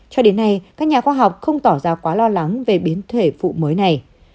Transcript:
cho đến nay các nhà khoa học không tỏ ra quá lo lắng về biến thể phụ mới này